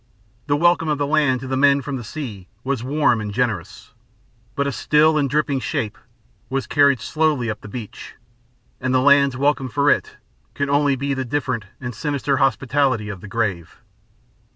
The welcome of the land to the men from the sea was warm and generous, but a still and dripping shape was carried slowly up the beach, and the land's welcome for it could only be the different and sinister hospitality of the grave.